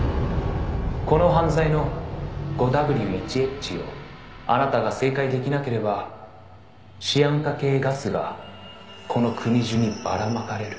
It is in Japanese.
「この犯罪の５Ｗ１Ｈをあなたが正解できなければシアン化系ガスがこの国中にばらまかれる」